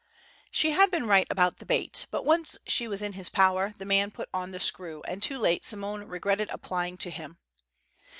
She had been right about the bait; but once she was in his power the man put on the screw, and too late Simone regretted applying to him.